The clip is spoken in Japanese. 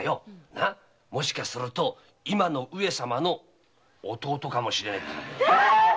もしかすると今の上様の弟かもしれねえんだ。